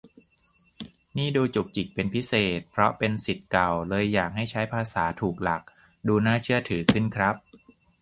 นี่ดูจุกจิกเป็นพิเศษ เพราะเป็นศิษย์เก่า เลยอยากให้ใช้ภาษาถูกหลัก ดูน่าเชื่อถือขึ้นครับ